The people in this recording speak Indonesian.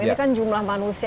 ini kan jumlah manusia